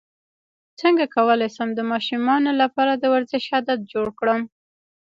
څنګه کولی شم د ماشومانو لپاره د ورزش عادت جوړ کړم